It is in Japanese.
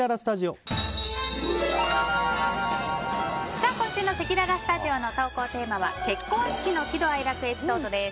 さあ、今週のせきららスタジオの投稿テーマは結婚式の喜怒哀楽エピソードです。